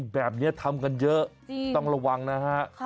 แบบนี้ทำกันเยอะต้องระวังนะฮะ